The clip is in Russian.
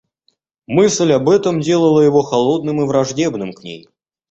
Мысль об этом делала его холодным и враждебным к ней.